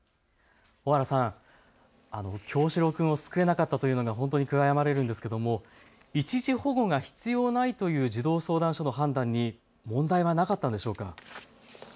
尾原さん、叶志郎君を救えなかったというのが本当に悔やまれるんですけども一時保護が必要ないという児童相談所の判断に問題はなかったのでしょうか。